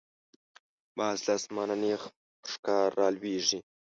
باز له آسمانه نیغ پر ښکار را لویږي